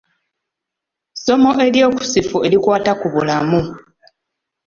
Ssomo eryekusifu erikwata ku bulamu.